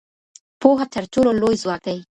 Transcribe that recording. پوهه تر ټولو لوی ځواک دی.